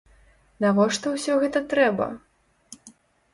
Навошта ўсё гэта трэба?